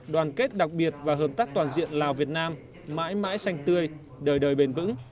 đoàn kết đặc biệt và hợp tác toàn diện lào việt nam mãi mãi xanh tươi đời đời bền vững